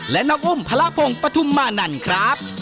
และน้าอุ้มพระละพงศ์ปฐุมมานันครับ